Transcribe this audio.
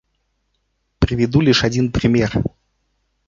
Приведу лишь один пример.